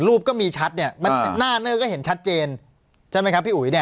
ก็มีชัดเนี่ยหน้าเนอร์ก็เห็นชัดเจนใช่ไหมครับพี่อุ๋ยเนี่ย